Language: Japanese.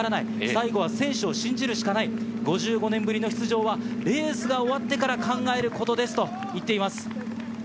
最後は選手を信じるしかない、５５年ぶりの出場は、レースが終わってから考えることですと言っています。